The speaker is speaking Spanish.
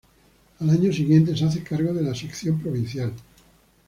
Al año siguiente se hace cargo de la sección provincial.